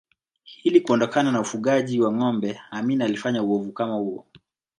Ili kuondokana na ufugaji wa ngombe Amin alifanya uovu kama huo